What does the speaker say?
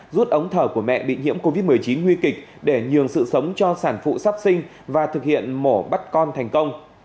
rút ống thở của mẹ bị nhiễm covid một mươi chín nguy kịch để nhường sự sống cho sản phụ sắp sinh và thực hiện mổ bắt con thành công